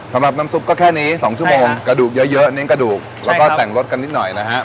สำหรับน้ำซุปก็แค่นี้๒ชั่วโมงกระดูกเยอะเน้นกระดูกแล้วก็แต่งรสกันนิดหน่อยนะครับ